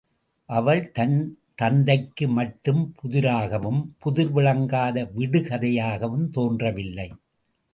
அவள் தன் தந்தைக்கு மட்டும் புதிராகவும் புதிர் விளங்காத விடுகதையாகவும் தோன்றவில்லை!